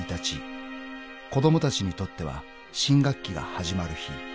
［子供たちにとっては新学期が始まる日］